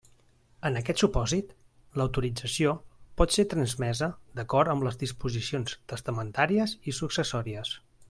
En aquest supòsit, l'autorització pot ser transmesa d'acord amb les disposicions testamentàries i successòries.